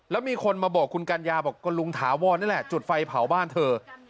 แล้วมีคนมาบอกคุณกัญญาบอกก็ลุงถาวรนี่แหละจุดไฟเผาบ้านเธอ